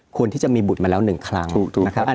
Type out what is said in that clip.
ที่จะมีบุตรมาแล้ว๑ครั้งนะครับ